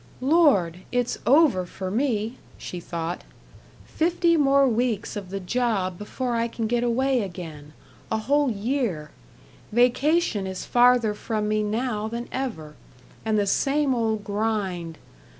"Lord! it's over for me," she thought. "Fifty more weeks of the job before I can get away again a whole year. Vacation is farther from me now than ever. And the same old grind....